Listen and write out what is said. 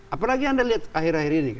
apalagi anda lihat akhir akhir ini